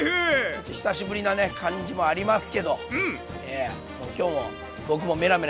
ちょっと久しぶりなね感じもありますけどもう今日も僕もメラメラやっていきたいと思います！